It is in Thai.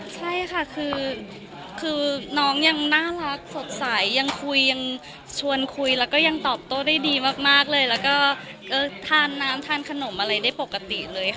ใช่ค่ะคือน้องยังน่ารักสดใสยังคุยยังชวนคุยแล้วก็ยังตอบโต้ได้ดีมากเลยแล้วก็ทานน้ำทานขนมอะไรได้ปกติเลยค่ะ